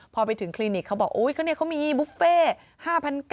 พอไปถึงคลินิกเขาบอกโอ๊ยเขามีบุฟเฟ่๕๙๐๐